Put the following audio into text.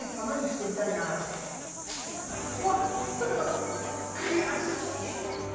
わっ、捕れなかった悔しい。